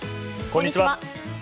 こんにちは。